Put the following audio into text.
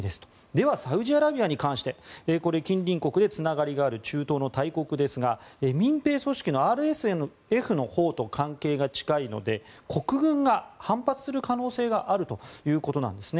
ではサウジアラビアに関してこれ、近隣国でつながりのある中東の大国ですが民兵組織のＲＳＦのほうと関係が近いので国軍が反発する可能性があるということです。